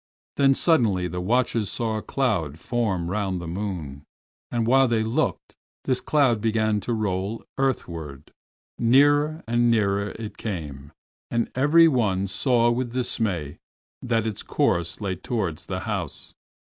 Then suddenly the watchers saw a cloud form round the moon—and while they looked this cloud began to roll earthwards. Nearer and nearer it came, and every one saw with dismay that its course lay towards the house.